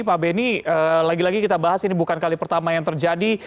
pak beni lagi lagi kita bahas ini bukan kali pertama yang terjadi